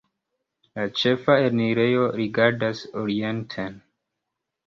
La ĉefa enirejo rigardas orienten.